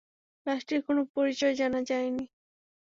লাশটির কোনো পরিচয় জানা যায় নাই।